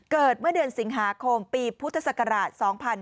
เกิดเมื่อเดือนสิงหาคมปีพุทธศักราช๒๕๕๙